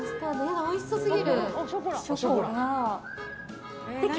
おいしそうすぎる。